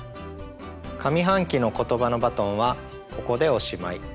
上半期の「ことばのバトン」はここでおしまい。